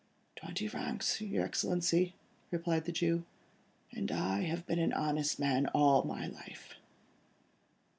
"Twenty francs, your Excellency," replied the Jew, "and I have been an honest man all my life."